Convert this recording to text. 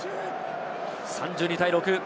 ３２対６。